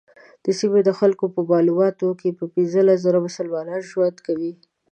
د سیمې د خلکو په معلوماتو په کې پنځلس زره مسلمانان ژوند کوي.